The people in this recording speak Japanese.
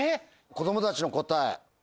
子供たちの答え。